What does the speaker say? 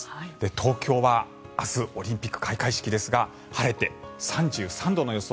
東京は明日オリンピック開会式ですが晴れて、３３度の予想。